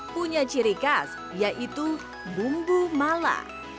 punya ciri khas yaitu bumbu mala